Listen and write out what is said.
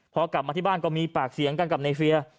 พอกลับมาที่บ้านก็มีปากเสียงกันกับในเฟียร์